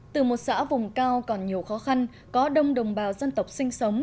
từ một xã vùng cao còn nhiều khó khăn có đông đồng bào dân tộc sinh sống